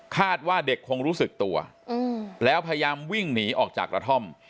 ว่าเด็กคงรู้สึกตัวแล้วพยายามวิ่งหนีออกจากกระท่อม